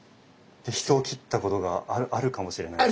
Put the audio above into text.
で人を斬ったことがあるかもしれない。